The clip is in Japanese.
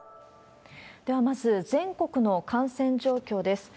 ではまず全国の感染状況です。